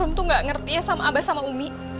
rum tuh gak ngerti ya sama abah sama umi